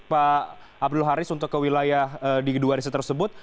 pak abdul haris untuk ke wilayah di kedua riset tersebut